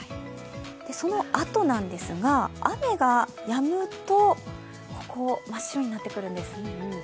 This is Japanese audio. そのあと、雨がやむとここ、真っ白になってくるんです。